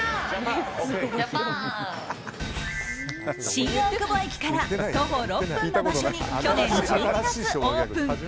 新大久保駅から徒歩６分の場所に去年１２月オープン。